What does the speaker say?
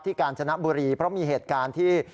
กาญจนบุรีเพราะมีเหตุการณ์ที่